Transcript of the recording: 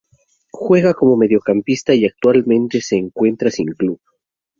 Juega como mediocampista y actualmente se encuentra sin club.